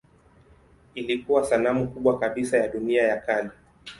Ilikuwa sanamu kubwa kabisa ya dunia ya kale.